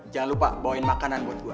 jangan lupa bawain makanan buat gue